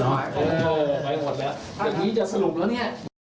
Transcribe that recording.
ไม่หมดแล้วเดี๋ยวนี้จะสรุปแล้วเนี่ย